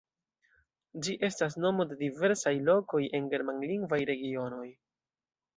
Ĝi estas nomo de diversaj lokoj en germanlingvaj regionoj.